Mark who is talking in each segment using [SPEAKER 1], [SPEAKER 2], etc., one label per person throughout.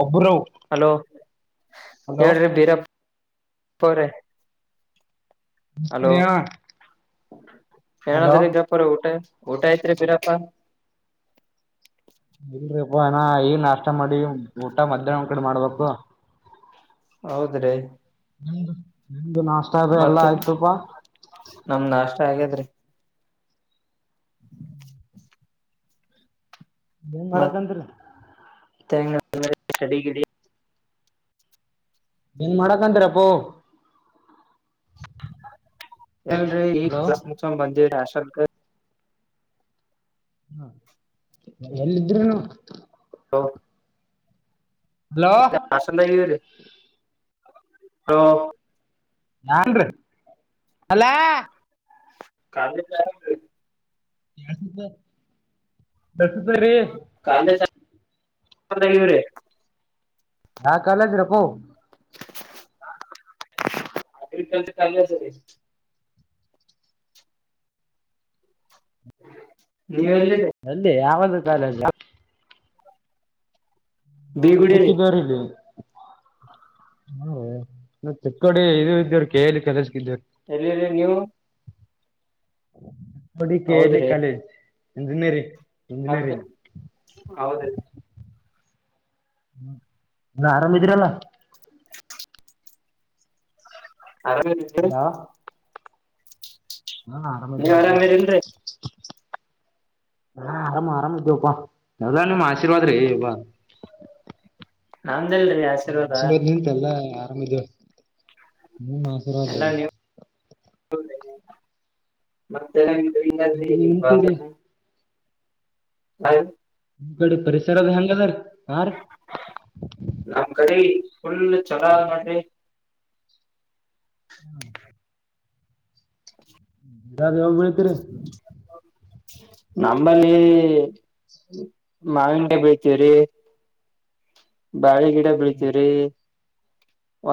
[SPEAKER 1] ಒಬ್ರು
[SPEAKER 2] hello
[SPEAKER 1] hello
[SPEAKER 2] ಹೇಳ್ರಿ ಬೀರಪ್ಪ ಪ
[SPEAKER 1] [unintelligible]
[SPEAKER 2] ಎಣ
[SPEAKER 1] ಹಲೋ
[SPEAKER 2] ತರಿ ಗಪರ ಉಊಟೆ ಊಟ ಆಯತ್ರಿ ಬಿರಪ್ಪ
[SPEAKER 1] ಇಲ್ರಿಪ್ಪ ಅಣ ಈಗ ನಾಷ್ಟ ಮಾಡಿ ಊಟ ಮಧ್ಯ್ನ ಕಡೆ ಮಾಡ್ಬೇಕು
[SPEAKER 2] ಹೌದ್ರೀ
[SPEAKER 1] ಹ್ಮ ಇದು ನಾಷ್ಟ ಅದೆ ಎಲ್ಲಾ
[SPEAKER 2] ಮತ್ತ
[SPEAKER 1] ಆಯ್ತಪಾ
[SPEAKER 2] ಹಾಗಾದ್ರಿ [inaudible]
[SPEAKER 1] ಏನ್ ಮಾಡಕತ್ರಿ
[SPEAKER 2] ತಂಗೂರು ಅಂದ್ರೆ ಚಡಿಗಿಡಿ
[SPEAKER 1] ಏನ್ ಮಾಡಕಂತರಪ್ಪೋ
[SPEAKER 2] ಎಲ್ರರಿ
[SPEAKER 1] ಹಲೋ
[SPEAKER 2] ದ ಮು ಬಂದಿರ ಸರ್ಕ
[SPEAKER 1] ಹ್ಮ ಎಲ್ಲಿದ್ರುನು
[SPEAKER 2] ಹಾ
[SPEAKER 1] ಹಲೋ
[SPEAKER 2] ಎ ಆಷಂತೈವರಿ ಹ
[SPEAKER 1] ನನ್ ಅಲ
[SPEAKER 2] ಕಾಲ
[SPEAKER 1] ಎಕ್ಕ ಬಸತ ರೀ
[SPEAKER 2] ದೂ ರೇ
[SPEAKER 1] ಹಾ ಕಾಲಜ ರಕೋ
[SPEAKER 2] ಆರ್ಗ್ರಿಕಲ್ಚ ಕ ಸ ರ ಹ್ಮ
[SPEAKER 1] ಅಲ್ಲಿ ಯಾವ ಕಾಲ ಹಾ
[SPEAKER 2] ಬೀಗುಡಿ ರೀ
[SPEAKER 1] ಇದಕ್ಕಿದರಿಲ್ಲಿ ಹ ನಾ ಚಿಕ್ಕಡಿ ಇದು ಇದ್ದೇವ್ರ ಕೇಳಿ ಕೆಲಸಿದೇವ
[SPEAKER 2] ಎಲ್ಲಿ ನೀವು
[SPEAKER 1] ನೋಡಿಿಕ ಕೆ ಲ್ ಇ ಕಾಲೇಜ್ ಎನ್ನರಿ
[SPEAKER 2] ಮತ್ತೆ ಹೌದುರೀ
[SPEAKER 1] ಹ್ಮ ನೀ ಆರಾಮಿದೀ್ರಲ್ಲ
[SPEAKER 2] ಅರಾಮ ಇದೀವಿ ನೀವು
[SPEAKER 1] ಹಲೋ ಹಾ ಆರಾಮ ಅದೀವಿ ಹೇಳ್
[SPEAKER 2] ಆರಾಮಿರಿಲ್ರಿ
[SPEAKER 1] ಅಪ್ಪ ನಾ ಆರಾಮ ಆರಾಮಪಾ ಎಲ್ಲಾ ನಿಮ್ ಆಶೀರ್ವಾದ ರಪಾ
[SPEAKER 2] ಹಾ ಅಂದಲ್ರರಿ ಆಶೀರ್ವಾದ
[SPEAKER 1] ಅರಾಮ್ ಅದೀವಿ
[SPEAKER 2] ಎಲ್ಲ ನೀವು ಮತ್ತೆ [unintelligible] ಂಗಿ
[SPEAKER 1] ನಿಮ್ ಕಡೆ
[SPEAKER 2] ಪತ್ರ ಹ
[SPEAKER 1] ನಿಮ್ಮ್ ಕಡೆ ಪರಿಸರದ ಹೆಂಗ ಅದ ರೀ
[SPEAKER 2] ನಮ್ಮ ಕಡಿ ಫುಲ್ ಚಲ ಮಾಡಿ
[SPEAKER 1] ಹ್ಮ ಇದೋಗ ಬ್ರೇ
[SPEAKER 2] ನಮ್ಮಲ್ಲಿ ಮಾವಿನ್ಕಾಯಿ ಬೀಳ್ತವ್ರಿ ಬಾಳೆ ಗಿಡ ಬೀಳ್ತವ್ರಿ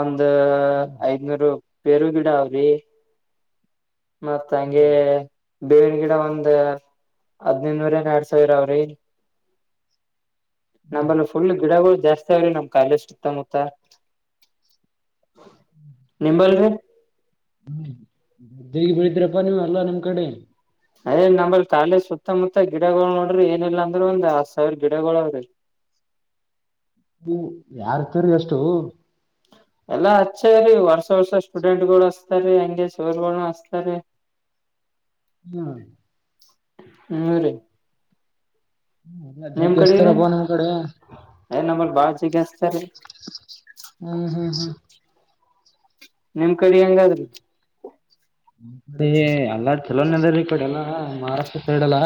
[SPEAKER 2] ಒಂದು ಒ ಐದನೂರು ಪೇರುಗಿಡ ಅವ ರೀ ಮತ್ತ ಹಂಗೆ ಬೇಳ್ ಗಿಡ ಒಂದ ಹದ್ಿನೈದುನೂರ ಏನ್ ಎರಡ್ ಸಾವಿರ ಅವ್ರಿ ನಮ್ಮನ್ನು ಫುಲ್ ಗಿಡಗಳು ಜಾಸ್ತಿ ಆಗ್ರಿ ನಮ್ ಕಾಯಲೆಷ್ಟತ್ತ ಮೂತ ನಿಂಬಲ್ರಿ
[SPEAKER 1] ಹ್ಮ್ದ್ದಗ ಬೆಳಿದ್ರಪ್ಪಾ ನೀವ ಅಲ್ಲ ನಿಮ್ ಕಡೆ
[SPEAKER 2] ಅಯ ನಂಬರ್ ಕಾಲಿ ಸುತ್ತಮುತ್ತ ಗಿಡಗಳು ನೋಡ್ರಿ ಏನಿಲ್ಲ ಅಂದ್ರ ಒಂದ್ ಹತ್ ಸಾವಿರ ಗಿಡಗಳ ಅವ್ರೀ
[SPEAKER 1] ಹ್ಮ ಯಾರ್ತರಿ ಎಷ್ಟು
[SPEAKER 2] ಎಲ್ಲಾ ಹಚ್ಚೇ್ರರಿ ವರ್ಷ ವರ್ಷ ಸ್ಟೂಡೆಂಟ್ಗಳು ಅತಾರಿೀ ಹಂಗಗೆ ಸರು ಹಸ್ತಾರಿ
[SPEAKER 1] ಹ್ಮ
[SPEAKER 2] ಹ್ಮ ರೀ ನಿಮ್ ಕಡೆ
[SPEAKER 1] ಗಸ್ತಾರ
[SPEAKER 2] ರೀ
[SPEAKER 1] ಅಬ ನಿಮ್ಮ್ ಕಡೆ
[SPEAKER 2] ಗೆಸ್ತಾರೆ
[SPEAKER 1] ಹ್ಮ್ ಹ್ಮ್ ಹ್ಮ್
[SPEAKER 2] ನಿಮ್ ಕಡೆ ಹೆಂಗಾದ್ರಿ
[SPEAKER 1] ಅಲ್ಲ ಚಲೋನ ಹಳ್ಳ ಕಡೆ ಎಲ್ಲ ಮಹಾರಾಷ್ಟ್ರ ಸೈಡ್ ಎಲ್ಲಾ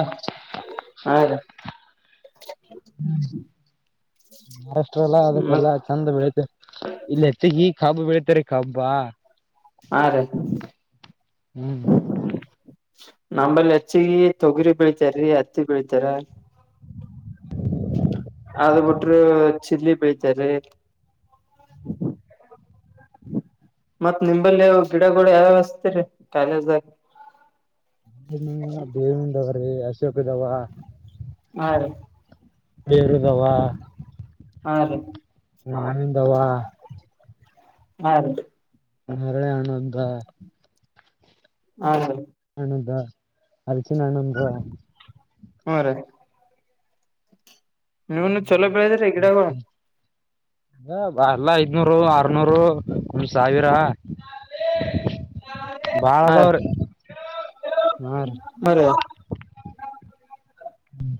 [SPEAKER 2] ಹದ
[SPEAKER 1] ಮಹಾರಾಷ್ಟ್ರ ಎಲ್ಲ
[SPEAKER 2] ಮತ್
[SPEAKER 1] ಅದಕ್ಕೆಲ್ಲಾ ಚಂದ ಬೆಳಿತ ಇಲ್ಲಿ ಹೆಚ್ಚಿಗೆ ಈ ಕಬ್ಬಾ ಬೆಳಿತಾರ ಕಬ್ಬಾ
[SPEAKER 2] ಹಾ ರೀ
[SPEAKER 1] ಹ್ಮ್
[SPEAKER 2] ನಂಬಲ್ಲಿ ಹೆಚ್ಚಗ ತೊಗರಿ ಬೆಳಿತಾರೀ ಹತ್ತಿ ಬೆಳಿತಾರ ಅದ ಬಿಟ್ರ ಚಿಲ್ಲಿ ಬೆಳತರಿ ಮತ್ತ್ ನಿಂಬಲ್ಲಿ ಗಿಡ ಗೂಳ ಯಾವಸ್ತರಿ ಕಾಲೇಜಾಗ
[SPEAKER 1] ಬೇವ ಹ ಚಕದ ವ
[SPEAKER 2] ಹಾ ರೀ
[SPEAKER 1] ಹೇ
[SPEAKER 2] ಹಾ ರೀ
[SPEAKER 1] ನಾಮ ದವಾ
[SPEAKER 2] ಹ
[SPEAKER 1] ಹ್ಮ ಎಳಣ ಎಂತ
[SPEAKER 2] ಹಾ ಹ
[SPEAKER 1] ನ್ಣದ ಅರಿಚ ನ ಹಣಂದ್ರ
[SPEAKER 2] ಹ್ಮ ರ ನೀವನು ಚಲೋ ಬೆಳದಿರೀ ಗಿಡಗಳು
[SPEAKER 1] ಹ ಬಲ್ಲ ಐದ್ನೂರು ಆರ್ನೂರು ಒಂದ ಸಾವಿರ
[SPEAKER 2] ಹಾ
[SPEAKER 1] ಬಾಳದವ್ರೀ ಹಾ ರೀ ಹ್ಮ್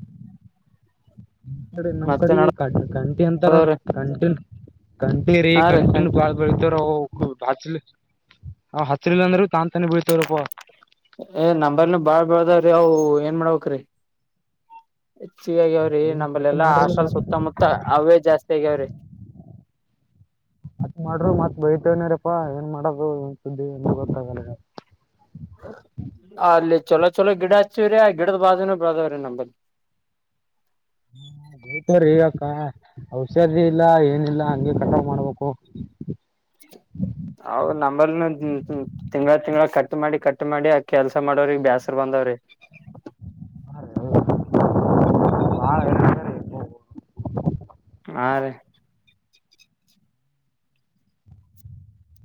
[SPEAKER 1] ನಡ ನಮ್
[SPEAKER 2] ಮತ್ತೆ
[SPEAKER 1] ಕಡೆ ಕ ಕಂಠಿ ಅಂತ ನೋಡ್ರಿ
[SPEAKER 2] ನಡದವ್ರಿ
[SPEAKER 1] ಕಂಠನ್ ಕಂಟಿರಿ
[SPEAKER 2] ಹಾ ರೀ ಕಂಟಿನ್ಯೂ
[SPEAKER 1] ಕಂಟನ್ ಬಾಳ್ ಬಳತವರ ಹಚ್ಚಲಿ ಹಚ್ಚಲಿಲ್ಲ ಅಂದ್ರರು ತಾನ್ ತಾನೇ ಬೀಳ್ತೇವ್ರಪ್ಪ
[SPEAKER 2] ಏ ನಂಬರ್ನ ಬಾಳ್ ಬಾಳದಾವ್ರೀ ಅವು ಏನ್ ಮಾಡ್ಬೇಕರೀ ಹೆಚ್ಚಗ ಆಗ್ಯಾವ್ರಿ
[SPEAKER 1] ಏನ್ ಕಟ್
[SPEAKER 2] ನಂಬಲೆೆಲ್ಲಾ
[SPEAKER 1] ಮಾಡ್ರಿ
[SPEAKER 2] ಹಸ್ಲ್
[SPEAKER 1] ಮತ್
[SPEAKER 2] ಸುತ್ತಮುತ್ತ ಹ್ಯವೆ ಜಾಸ್ತಿ ಆಗ್ಯಾವ್ರಿ
[SPEAKER 1] ಇನಾರಪ್ಪಾ ಏನ್ ಮಾಡೋದು ಏನ್ ಸುದ್ದಿಏ ಗೊತ್ತಾಗಲ್ಲಗ
[SPEAKER 2] ಅಲ್ಲಿ ಚಲೋ ಚಲೋ ಗಿಡ ಹಚಿವ್ರೀ ಆ ಗಿಡದ ಬಾಜನ ಬದಾವ್ರೀ ನಂಬಲ್ಲಿ
[SPEAKER 1] ಹತ್ರಿ ಈಗಕ್ಕ ಔಷಧಿ ಇಲ್ಲ ಏನಿಲ್ಲ ಹಂಗೆ ಕಟ್ರೋಲ್ ಮಾಡ್ಬೇಕು
[SPEAKER 2] ಅವ್ ಕ ಮಾಡಿ ಕಟ್ ಮಾಡಿ ಆ ಕೆಲ್ಸ ಮಾಡೋರಿ ಬೇಸ್ರ ಬಂದವ್ರಿ
[SPEAKER 1] ಬಾಳ ಹೈರಾಣಾಗ್ಯಾರಿ ಯಪ್ಪೋ.
[SPEAKER 2] ಹಾ ರೀ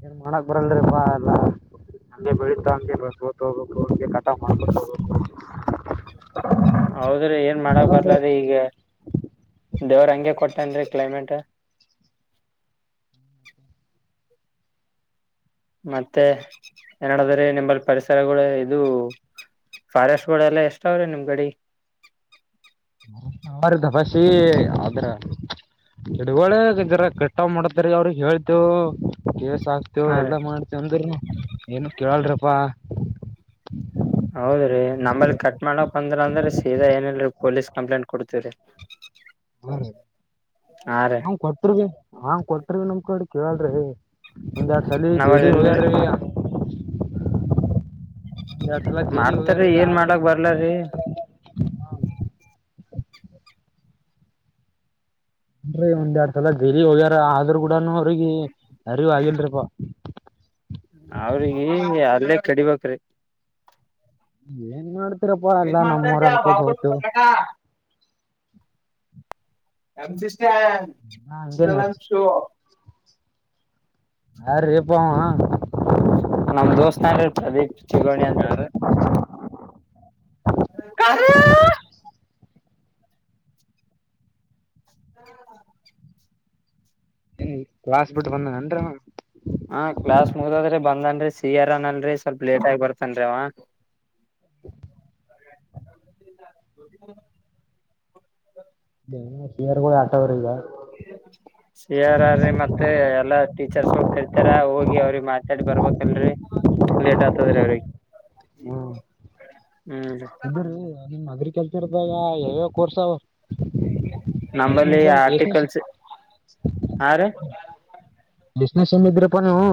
[SPEAKER 1] ಏನ್ ಮಾಡಕ್ ಬರಲಪ್ಪ ಅಲ್ಲಾ ನಂಗೆ ಬೆಳಿತ ಅಂತಸತ್ತ ಹೋಗ್ಬೇಕು ಹಂಗೆ ಕಟಾವ ಮಾಡ್ಕೊ ಹೋಗಬೇಕು
[SPEAKER 2] ಹೌದ್ರಿ ಏನ್ ಮಾಡಕ್ ಬರ್ಲ ಅದ ಈಗ ದೇವ್ರ ಹಂಗ ಹಂಗೆ ಕೊಟ್ಟೇನ್ರಿ ಕ್ಲೈಮೇಟ್ ಮತ್ತೆ ಏನಡದ್ರೀ ನಿಮ್ಮಲ್ಲಿ ಪರಿಸರಗಳ ಇದು ಫಾರೆಸ್ಟ್ಗಳೆಲ್ಲ ಎಷ್ಟಾವ್ರಿ ನಿಮ್ ಕಡಿ
[SPEAKER 1] ಅವ್ರ ಗಬಾಸಿ ಆದ್ರ ಚಡುವಳರ ಕೆಟ್ಟ ಮಾಡತರಿ ಅವ್ರಗ್ ಹೇಳ್ತೇವ ಸಾಕ್ತೇವ
[SPEAKER 2] ಹಾ ರೀ
[SPEAKER 1] ಎಲ್ಲಾ ಮಾಡ್ತವ ಅಂದರುನು ಏನು ಕೇಳಳ್ರಪ್ಪಾ
[SPEAKER 2] ಹೌದ್ರೀ ನಮ್ಮಲ್ ಕಟ್ ಮಾಡಕ್ ಬಂದ್ರ ಅಂದ್ರ ಸೀದಾ ಏನಲ್ರಿ ಪೊಲೀಸ್ ಕಂಪ್ಲೇಂಟ್ ಕೊಡ್ತೀವ್ರರಿ ರೀ
[SPEAKER 1] ಹ ಕೊಟ್ಟರು ಭ ಹ ಕೊಟ್ಟ್ರ ಭ ನಮ್ ಕಡ್ ಕೇಳಲ್ ರೀ ಒಂದುೆ ಆ ಚಲಿ
[SPEAKER 2] ನಾವಲ್
[SPEAKER 1] ಜಲಿ
[SPEAKER 2] ಇಲ್ರಿ
[SPEAKER 1] ಹೋಗ್ಯಾರೀ ಎರಡ್ ಸಲ ಜೈಲಿಗ್
[SPEAKER 2] ಮಾಡ್ತರಿ
[SPEAKER 1] ಹೋಗ್ಯಾರೀ
[SPEAKER 2] ಏನ್
[SPEAKER 1] ಆದ್ರೂ
[SPEAKER 2] ಮಾಡಕ್ ಬರ್ಲಾರೀ
[SPEAKER 1] ಅನ್ರಿ ಒಂದ್ ಎರಡ್ ಸಲ ಗಲಿ ಹೋಗ್ಯಾರ ಆದ್ರೂ ಕೂಡನು ಅವ್ರಿಗೆ ಅರಿವ ಆಗಲ್ರಿಪ್ಪಾ
[SPEAKER 2] ಅವ್ರಿ ಅಲ್ಲೇ ಕಡಿಬೇಕ್ರಿ
[SPEAKER 1] ಏನ್ ಮಾಡತಿ
[SPEAKER 2] ಏ್ ಮಾತಾಡ್್ದ ಬಾಬೂ ಎಮ ಜಷ್ಟ
[SPEAKER 1] ಹಂಗೆ
[SPEAKER 2] ಇಲ್ಲ
[SPEAKER 1] ನಡ್ಸ್
[SPEAKER 2] ನಿಷೋ
[SPEAKER 1] ಹ ರೀ ಪಾಮಾ
[SPEAKER 2] ನಮ್ ದೋಸ್ತನ್ ಇರ್ತ ದೀಪ್ ಚಿಗೋಣಿ ಅಂತರು ಕ [inaudible]
[SPEAKER 1] ಏ ಕ್ಲಾಸ್ ಬಿಟ್ಟು ಬಂದನ್ ಏನ್ ರೀ
[SPEAKER 2] ಹಾ ಕ್ಲಾಸ್ ಮುಗದ್ರಿ ಬಂದನ್ರಿ ಸಿಯರನಲ್ರರಿ ಸ್ವಲ್ಪ ಲೇಟ್ ಆಗಿ ಬರ್ತನ್ರಿ ಅವ ಹ [inaudible]
[SPEAKER 1] ಏ ಸಿಯರ್ಗಳ ಆಟವರುಗ
[SPEAKER 2] ಸಿ ಆರ್ರೀ ಮತ್ತೆ ಎಲ್ಲಾ ಟೀಚರ್ಸ್ ಓಕೆ ಈ ತರ ಹೋಗಿ ಅವ್ರಿ ಮಾತಾಡಿ ಬರ್ಬೇಕಕ್ಲ್ರರಿ ಲೇಟ್ ಆತದೆ ರಾವಳ
[SPEAKER 1] ಇದ್ರ ನಿಮ್ಮ್ ಅಗ್ರ ಕೆಲ್ಸರ್ದಾಗ ಯ ಕೋರ್ಸ
[SPEAKER 2] ನಂಬಲ್ಲಿ
[SPEAKER 1] ಎಷ್ಟನೇ
[SPEAKER 2] ಆರ್ಟಿಕಲ್ಸ್ ಆ ರೀ ಹ
[SPEAKER 1] ಎಷ್ಟ್ ಸೇಮ್ ಇದಿರಪ್ಪ ನೀವು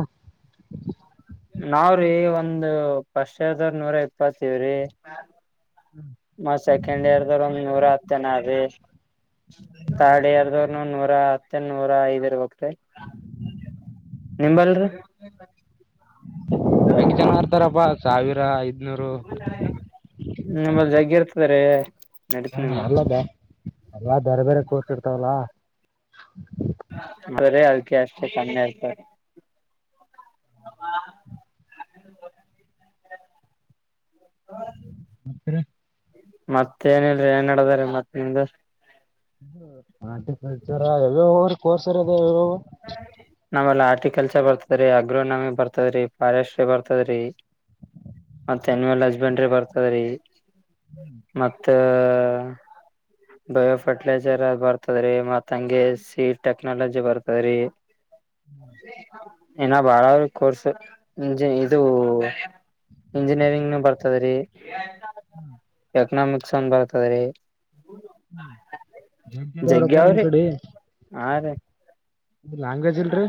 [SPEAKER 2] ನಾವ್ರೀ ಒಂದು ಪಸ್ದ ನೂರ ಇಪ್ಪತ್ತವ್ರಿ ಮ ಸೆಕೆಂಡ್ ಇಯರ್ ದವ್ರ ಒಂದ್ ನೂರ ಹತ್ತನೀ ಥರ್ಡ್ ಇಯರ್ದವನು ನೂರ ಹತ್ತ ನೂರ ಐದ್ ಇರ್ಬೇಕಕ್್ರೀ ನಿಂಬಲ್ರಿ
[SPEAKER 1] ಯಾಕೆ ಜನ ಇರ್ತಾರಪ್ಪಾ ಸಾವಿರ ಐದು
[SPEAKER 2] ನಿಮ್ಮ ಜ್ಯರ್ ಅರೆ
[SPEAKER 1] ಹಾ ಅಲ್ಲದೆ ಅಲ್ಲಾ ಬೇರೆ ಬೇರೆ ಕೋರ್ಸ್ ಇರ್ತಾವಲ್ಲ
[SPEAKER 2] ೆ ಅಷ್ಟೆ ಚನ್ನೆತಾರೆ
[SPEAKER 1] ಹತ್ತ
[SPEAKER 2] ಮತ್ತ ಏನಲ್ರಿ ಏನ್ಡದಾರ ಮತ್ತ ನಿಮ್ದ
[SPEAKER 1] ಹಾರ್ಟಿಕಲ್ಚರ ಯ್ಯಾವ ಅವ್ರ ಕೋರ್ಸರ್ ಇದ ಇರು
[SPEAKER 2] ಹ ನಮ್ಮಲ್ಲಿ ಆಾರರ್ಟಿಕಲ್ಚರ್ ಬರ್ತದೀ ಅಗ್ರೋನಮಿ ಬರ್ತದ್ರೀ ಫಾರೆಸ್ಟ್ರಿ ಬರ್ತದ್ರಿ ಮತ್ ಅನಿಮಲ್ ಹಸ್ಬೆಂಡ್ರಿ ಬರ್ತದ್ರಿ ಮತ್ತ ಬಯೋಫರ್ಟಿಲೈಜರ್ ಬರ್ತದ್ರೀ ಮತ್ ಹಂಗೆ ಸೀಡ್ ಟೆಕ್ನಾಲಜಿ ಬರ್ತ ಅ [inaudible] ಇನ ಬಾಳ್ರ ಕೋರ್ಸ್ ಇಂಜ ಇದು ಇಂಜಿನಿಯರಿಂಗ್ ಬರ್ತದ್ರೀ
[SPEAKER 1] ಹ್ಮ್
[SPEAKER 2] ಎಕ್ನಾಮಿಕ್ಸ್ ಅಂದ ಬರ್ತದೆ ರೀ
[SPEAKER 1] ಹ್ಮ
[SPEAKER 2] ಜಗ್ಗಿ
[SPEAKER 1] ಜಂಟದವ್ರಪ್ಪ ನಿಮ್ಮ್
[SPEAKER 2] ಅವ್ರಿ
[SPEAKER 1] ಕಡೆ
[SPEAKER 2] ಹಾ ರೀ
[SPEAKER 1] ಇ ಲ್ಾಂಗ್ವೇಜ್ ಇಲ್ರರಿ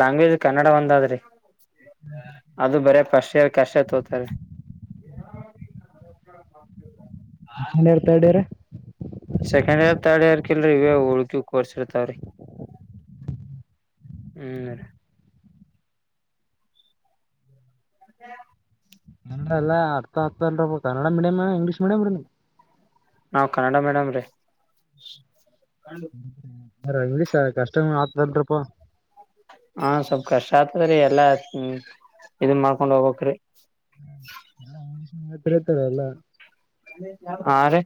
[SPEAKER 2] ಲ್ಯಾಂಗ್ವೇಜ್ ಕನ್ನಡ ಒಂದಾದ್ರಿ ಅದು ಬರ ಪ್ರಶನೆ ಶರ್ ಕಶ ತತಾರೆ
[SPEAKER 1] ನ್ ಇರ್ತಾ ಇಡ್ಯ್ರ
[SPEAKER 2] ಸೆಕಂಡ್ ಇಯರ್ ತರ್ಡ್ ಇಯರ್ ಇವ ಹುಳ್ಕಿ ಕೊಡ್ಸಿರ್ತಾವ್ರಿ ಹ್ಮ್ರಿ ಹ್ಮ
[SPEAKER 1] ನಲ್ಲ ಅರ್ಥ ಅರ್ಥಲ್ ಕನ್ನಡ ಮೀಡಿಯಂ್ ಇಂಗ್ಲೀಷ್ ಮೀಡಿಯಂ
[SPEAKER 2] ನಾ್ ಕನ್ನಡ ಮೇಡಮ್ ರೀ
[SPEAKER 1] ಹ್ಮ ಿಸ ಕಷ್ಟ ಆತದ್ರಪ್ಪ
[SPEAKER 2] ಹಾ ಸ್ವಲ್ಪ ಕಷ್ಟ ಆಗ್ತದ್ರೀ ಎಲ್ಲಾ್ಮ ಇದ ಮಾಡ್ಕೊಂಡ್ ಹೋಗ್ಕ್್ರಿ
[SPEAKER 1] ಹ ಹತ್ರ ತರಲ್ಲ
[SPEAKER 2] ಹಾ ರೀ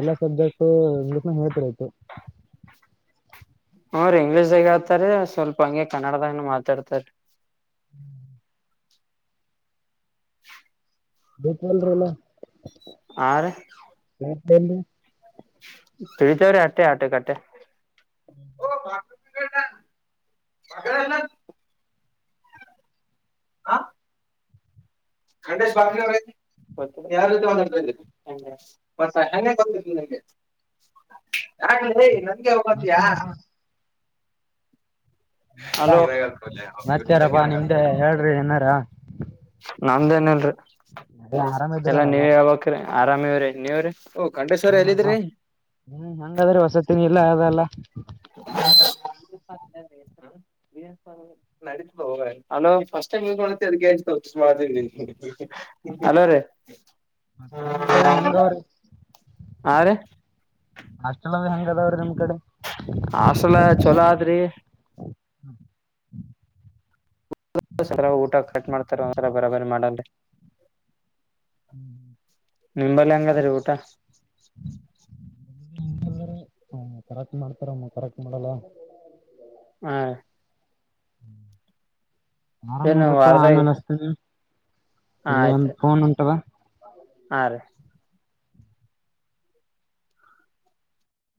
[SPEAKER 1] ಎಲ್ಲಾ ಸಬ್ಜೆಕ್ಟ್ ಇಂಗ್ಲೀಷ್ ನ ಹೇಳ್ತರಯತು
[SPEAKER 2] ಅವ್ರ ಇಂಗ್ಲೀಷ್ದಾಗ ಆತಾರ ಸ್ವಲ್ಪ ಹಂಗೆ ಕನ್ನಡದಾಗ ಮಾತಾಡ್ತಾರ
[SPEAKER 1] ಹ್ಮ್ ಭೋಪಾಲರಲ್ಲ
[SPEAKER 2] ಆ
[SPEAKER 1] ಮತ್ ಏನ್ ಲೇ
[SPEAKER 2] ತಿಳಿತವ್ರೀ ಅಟ್ಟೆ ಆಟ ಕಟ್ಟೆ ಓಬಾ ಮ [unintelligible] ಆ [unintelligible] ಂಡೇಶ ಸ್ಾಮ ಅವ ಯ ಮತ್ತ ಹೆಗೆ ಗೊತ್ತಂಗೆ ಹಗೆ ಹೋಗತ್ಯಾ
[SPEAKER 1] ಮತ್ತ
[SPEAKER 2] ಹಲೋ
[SPEAKER 1] ಮತ್ತಾರಪ್ಪಾ ನಿಮ್ದೆ ಹೇಳ್ರಿ ಏನಾರ
[SPEAKER 2] ನಮ್ದೇನಲ್ರಿ
[SPEAKER 1] ಆರಾಮ
[SPEAKER 2] ಎಲ್ಲಾ
[SPEAKER 1] ಇದ್ರಲ್ಲವ
[SPEAKER 2] ನೀವ ಹೇಳ್ಬಕ್ರಿ ಆರಾಮ ಇವ್ರೇ ನೀವ್ರ
[SPEAKER 1] ಹಪ್ಪ್ಮ ಹಂಗಾದ್ರೆ ಹೊಸತಿನ ಇಲ್ಲ ಅಲ್ಲ
[SPEAKER 2] ಹ ಉಸ್ ಮಾಡತ [unintelligible] ಅಲೋ ರೀ
[SPEAKER 1] ಹಂಗ ಅವರು
[SPEAKER 2] ಹಾ ರೀ
[SPEAKER 1] ಅಸ್ಟೆಲ್ ಹಂಗ ಅದಾವ್ರೀ ನಿಮ್ ಕಡೆ
[SPEAKER 2] ಹಾಸ್ಟೆಲ್ ಚೊಲೋ ಆದ್ರಿ
[SPEAKER 1] ಹಾ
[SPEAKER 2] ಸಲ ಊಟ ಕಟ್ ಮಾಡ್ತಾರ ಒಂದ್ಸಲ ಬರಬರಿ ಮಾಡಲ್ ರೀ ನಿಂಬಲ್ಲಿ ಹಂಗದ ರೀ ಊಟ
[SPEAKER 1] ಕರಾಕ್ಿ ಮಾಡ್ತಾರಮ್ಮ ಕರಾಟಿ ಮಾಡಲ್ಲ
[SPEAKER 2] ಹ್ಮ
[SPEAKER 1] ಹ್ಮ್ ಆರಾಮ
[SPEAKER 2] ಏನು
[SPEAKER 1] ಇರಪ್ಪ
[SPEAKER 2] ವಾರದಾಗ
[SPEAKER 1] ಆಮೇಲೆ ಅಷ್ಟತನ
[SPEAKER 2] ಹ
[SPEAKER 1] ಇಲ್ ಒಂದು ಫೋನ್ ಹೊಂಟಾದ
[SPEAKER 2] ಹ